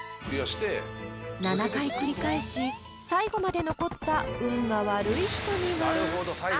［７回繰り返し最後まで残った運が悪い人には］